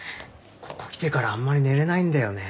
ここ来てからあんまり寝れないんだよね。